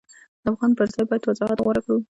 د ابهام پر ځای باید وضاحت غوره کړو.